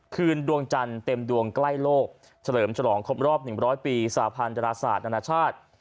ดวงจันทร์เต็มดวงใกล้โลกเฉลิมฉลองครบรอบ๑๐๐ปีสาพันธราศาสตร์นานาชาติ